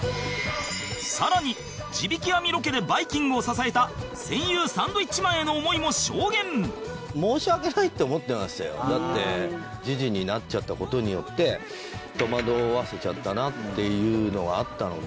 更に地引き網ロケで『バイキング』を支えた戦友サンドウィッチマンへの思いも証言だって時事になっちゃった事によって戸惑わせちゃったなっていうのがあったので。